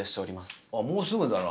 もうすぐだな。